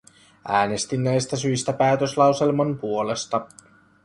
Äänestin näistä syistä päätöslauselman puolesta.